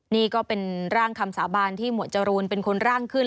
นี่ก็เป็นร่างคำสาบานที่หมวดจรูนเป็นคนร่างขึ้น